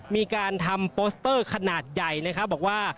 มีการทำโปสเตอร์ขนาดใหญ่นะครับบอกว่า